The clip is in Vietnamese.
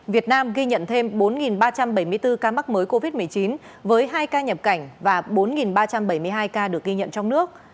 việt nam ghi nhận thêm bốn ba trăm bảy mươi bốn ca mắc mới covid một mươi chín với hai ca nhập cảnh và bốn ba trăm bảy mươi hai ca được ghi nhận trong nước